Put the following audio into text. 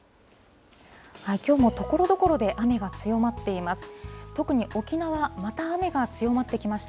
きょうもところどころで雨が強まっています。